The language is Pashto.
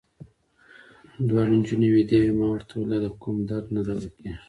دواړې نجونې وېدې وې، ما ورته وویل: دا د کوم درد نه دوا کېږي.